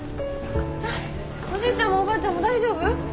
おじいちゃんもおばあちゃんも大丈夫？